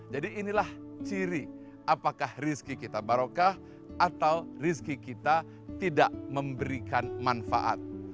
jadi inilah ciri apakah rezeki kita berokah atau rezeki kita tidak memberikan manfaat